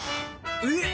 えっ！